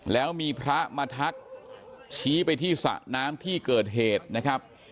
แล้วมีพระมาทักชี้ไปที่สระน้ำที่เกิดเหตุนะครับ